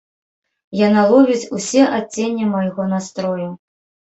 Яна ловіць усе адценні майго настрою.